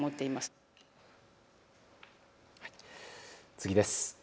次です。